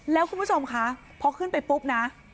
แล้วคุณผู้ชมคะพอขึ้นไปปุ๊บนะ